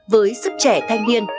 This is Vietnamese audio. với sức trẻ thanh niên